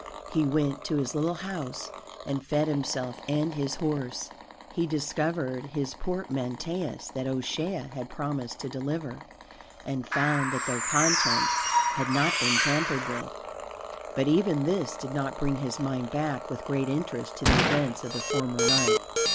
He went to his little house and fed himself and his horse. He discovered his portmanteaus that O'Shea had promised to deliver, and found that their contents had not been tampered with; but even this did not bring his mind back with great interest to the events of the former night.